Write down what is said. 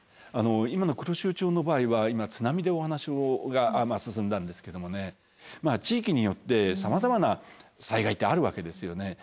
今の黒潮町の場合は今津波でお話が進んだんですけどもねまあ地域によってさまざまな災害ってあるわけですよね。